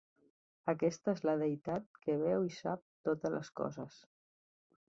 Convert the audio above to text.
Aquesta és la deïtat que veu i sap totes les coses.